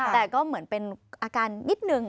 แต่ก็เหมือนเป็นอาการนิดนึง